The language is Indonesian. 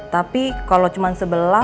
tapi kalau cuma sebelah